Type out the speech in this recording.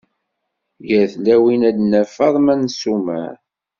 Gar tlawin-a ad naf: Faḍma n Summer.